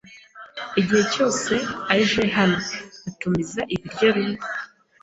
Igihe cyose aje hano, atumiza ibiryo bimwe.